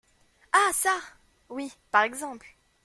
Ah ça ! oui, par exemple !